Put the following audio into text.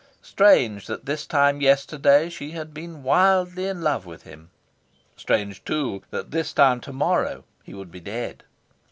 Strange that this time yesterday she had been wildly in love with him! Strange, too, that this time to morrow he would be dead!